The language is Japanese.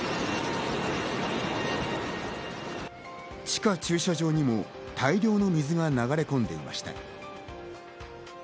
地下駐車場にも大量の水が流れ込んでいました。